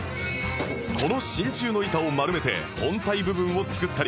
この真鍮の板を丸めて本体部分を作ったり